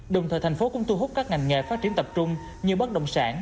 đồng thời thành phố cũng thu hút các ngành nghề phát triển tập trung như bất động sản